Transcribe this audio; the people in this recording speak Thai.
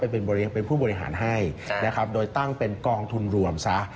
เป็นผู้บริหารให้นะครับโดยตั้งเป็นกองทุนรวมซะ